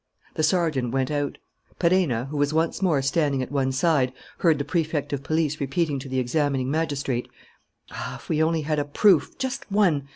The sergeant went out. Perenna, who was once more standing at one side, heard the Prefect of Police repeating to the examining magistrate: "Ah, if we only had a proof, just one!